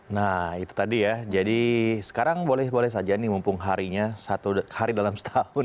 nah itu tadi ya jadi sekarang boleh boleh saja nih mumpung harinya satu hari dalam setahun